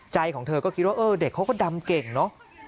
ของเธอก็คิดว่าเออเด็กเขาก็ดำเก่งเนอะ